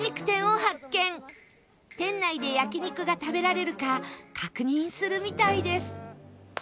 店内で焼肉が食べられるか確認するみたいです